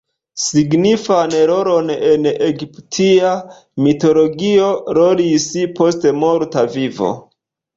Signifan rolon en egiptia mitologio rolis postmorta vivo.